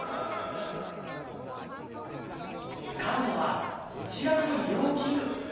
使うのはこちらの医療器具。